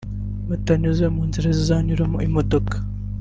batanyuze mu nzira zizanyuramo imodoka